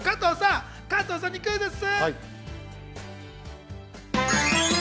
加藤さんにクイズッス！